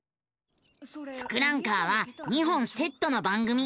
「ツクランカー」は２本セットの番組。